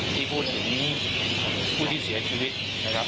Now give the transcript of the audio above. ที่พูดถึงผู้ที่เสียชีวิตนะครับ